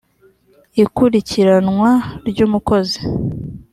ikurikiranwa ry’umukozi